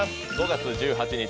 ５月１８日